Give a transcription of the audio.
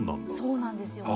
そうなんですよね。